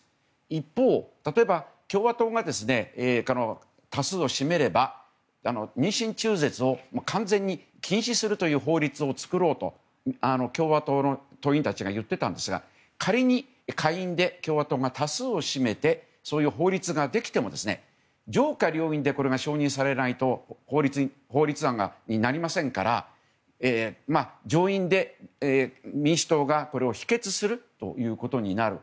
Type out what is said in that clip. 一方、例えば共和党が多数を占めれば妊娠中絶を完全に禁止するという法律を作ろうと共和党の党員たちが言っていたんですが仮に下院で共和党が多数を占めてそういう法律ができても上下両院でこれが承認されないと法律案になりませんから上院で民主党が、これを否決するということになる。